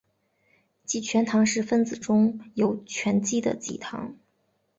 己醛糖是分子中有醛基的己糖。